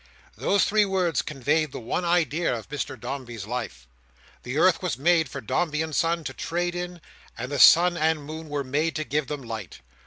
Those three words conveyed the one idea of Mr Dombey's life. The earth was made for Dombey and Son to trade in, and the sun and moon were made to give them light.